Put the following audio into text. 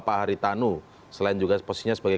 pak haritanu selain juga posisinya sebagai